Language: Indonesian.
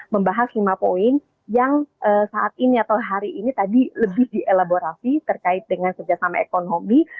membahas lima poin yang saat ini atau hari ini tadi lebih dielaborasi terkait dengan kerjasama ekonomi